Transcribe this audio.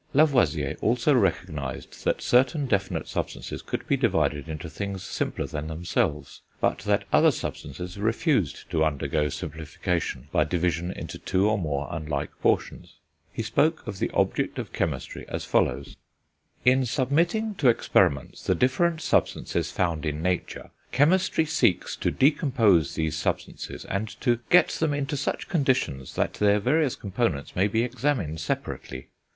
Lavoisier also recognised that certain definite substances could be divided into things simpler than themselves, but that other substances refused to undergo simplification by division into two or more unlike portions. He spoke of the object of chemistry as follows: "In submitting to experiments the different substances found in nature, chemistry seeks to decompose these substances, and to get them into such conditions that their various components may be examined separately.